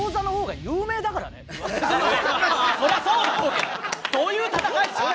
そりゃそうだろうけどどういう戦い！？